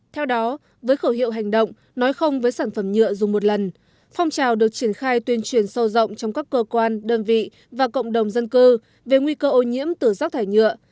theo đó với khẩu hiệu hành động nói không với sản phẩm nhựa dùng một lần phong trào được triển khai tuyên truyền sâu rộng trong các cơ quan đơn vị và cộng đồng dân cư về nguy cơ ô nhiễm từ rác thải nhựa